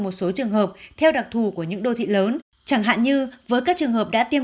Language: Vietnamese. một số trường hợp theo đặc thù của những đô thị lớn chẳng hạn như với các trường hợp đã tiêm